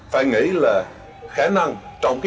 phải nghĩ là khả năng